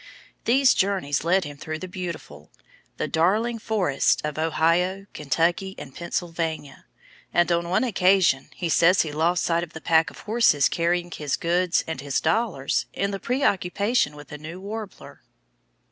These journeys led him through the "beautiful, the darling forests of Ohio, Kentucky, and Pennsylvania," and on one occasion he says he lost sight of the pack horses carrying his goods and his dollars, in his preoccupation with a new warbler.